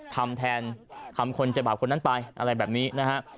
ทำแทนทำคนเจ็บบาปคนนั้นไปอะไรแบบนี้นะฮะ